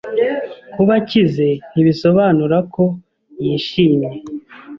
Kuba akize, ntibisobanura ko yishimye.